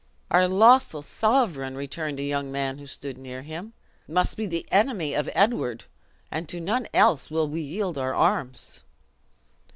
"Our lawful sovereign!" returned a young man who stood near him, "must be the enemy of Edward; and to none else will we yield our arms!"